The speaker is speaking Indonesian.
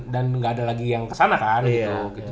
dan ga ada lagi yang kesana kan gitu